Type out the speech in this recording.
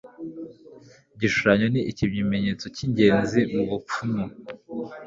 igishushanyo ni ikimenyetso cyingenzi mubupfumu